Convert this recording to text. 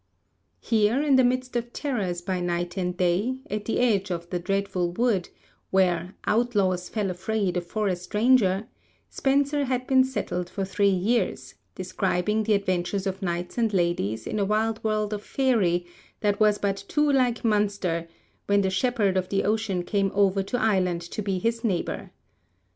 Here, in the midst of terrors by night and day, at the edge of the dreadful Wood, where 'outlaws fell affray the forest ranger,' Spenser had been settled for three years, describing the adventures of knights and ladies in a wild world of faery that was but too like Munster, when the Shepherd of the Ocean came over to Ireland to be his neighbour.